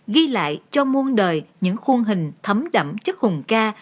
ghi lại cho muôn đời những khuôn hình thấm đậm chất hùng ca